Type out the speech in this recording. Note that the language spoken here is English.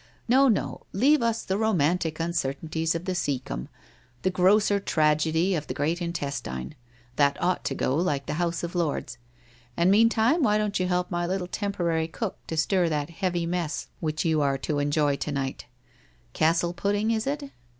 No, no, leave us the romantic uncertainties of the cascum, the grosser tragedy of the great intestine, that ought to go, like the House of Lords. And mean time w T hy don't you help my little temporary cook to stir that heavy mess which you are to enjoy to night — Castle Pudding, is it?